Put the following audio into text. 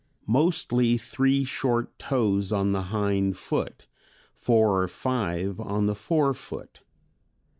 Mostly three short toes on the hind foot, four or five on the fore foot.